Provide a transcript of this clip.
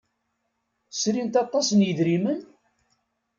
Srint aṭas n yidrimen?